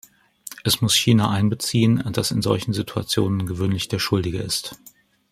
Es muss China einbeziehen, das in solchen Situationen gewöhnlich der Schuldige ist.